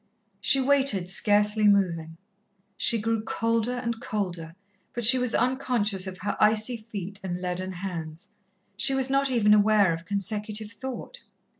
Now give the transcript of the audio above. She waited, scarcely moving. She grew colder and colder, but she was unconscious of her icy feet and leaden hands. She was not even aware of consecutive thought.